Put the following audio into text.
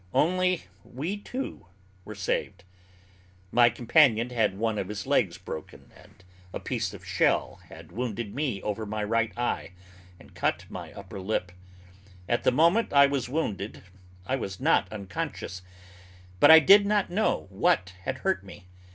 Only we two were saved. My companion had one of his legs broken, and a piece of shell had wounded me over my right eye and cut open my under lip. At the moment I was wounded I was not unconscious, but I did not know what had hurt me.